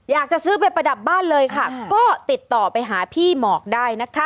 อยากจะซื้อไปประดับบ้านเลยค่ะก็ติดต่อไปหาพี่หมอกได้นะคะ